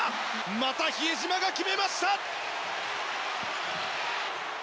また比江島が決めました！